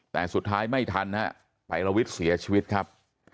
แต่สุดท้ายไม่ทันฮะไพรวิทย์เสียชีวิตครับ